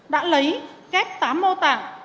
đã lấy ghép tám mô tạng